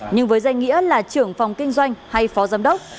nhưng với danh nghĩa là trưởng phòng kinh doanh hay phó giám đốc